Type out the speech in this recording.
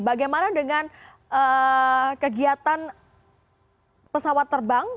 bagaimana dengan kegiatan pesawat terbang